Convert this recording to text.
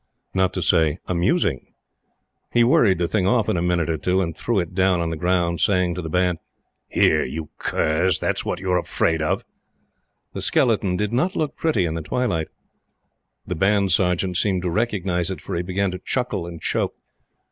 Not to say amusing. He worried the thing off in a minute or two, and threw it down on the ground, saying to the Band: "Here, you curs, that's what you're afraid of." The skeleton did not look pretty in the twilight. The Band Sergeant seemed to recognize it, for he began to chuckle and choke.